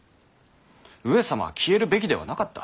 上様は消えるべきではなかった。